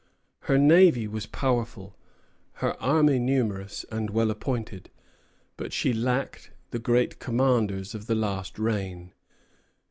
Her navy was powerful, her army numerous, and well appointed; but she lacked the great commanders of the last reign.